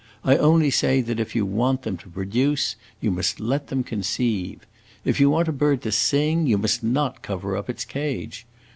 I only say that if you want them to produce, you must let them conceive. If you want a bird to sing, you must not cover up its cage.